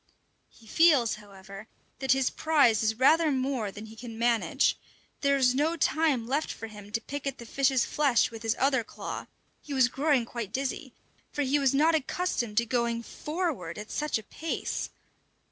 He feels, however, that his prize is rather more than he can manage. There is no time left for him to pick at the fish's flesh with his other claw; he was growing quite dizzy, for he was not accustomed to going forward at such a pace!